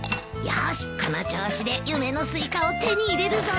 よしこの調子で夢のスイカを手に入れるぞ。